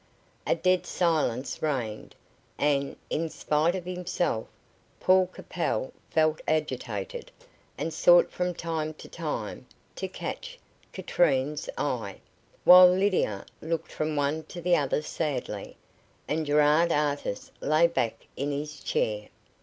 A dead silence reigned, and, in spite of himself, Paul Capel felt agitated, and sought from time to time to catch Katrine's eye; while Lydia looked from one to the other sadly, and Gerard Artis lay back in his chair.